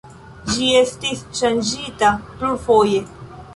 Ĝi estis ŝanĝita plurfoje.